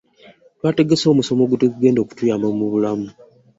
Twategese omusomo ogugenda okutuyamba mu bulamu.